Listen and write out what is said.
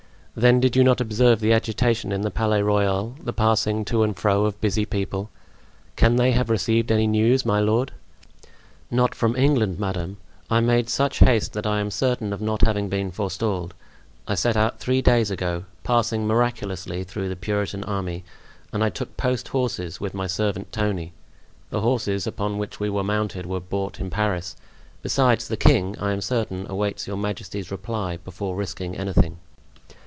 Then did you not observe the agitation in the Palais Royal, the passing to and fro of busy people? Can they have received any news, my lord?" "Not from England, madame. I made such haste that I am certain of not having been forestalled. I set out three days ago, passing miraculously through the Puritan army, and I took post horses with my servant Tony; the horses upon which we were mounted were bought in Paris. Besides, the king, I am certain, awaits your majesty's reply before risking anything."